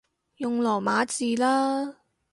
用羅馬字啦